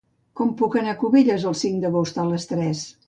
Com puc anar a Cubells el cinc d'agost a les tres?